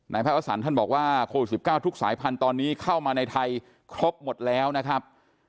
นายพระอัศวรรษ์ท่านบอกว่าโคล๑๙ทุกสายพันธุ์ตอนนี้เข้ามาในไทยครบหมดแล้วนะครับ